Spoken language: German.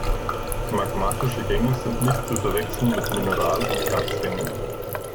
Magmatische Gänge sind nicht zu verwechseln mit Mineral- und Erzgängen.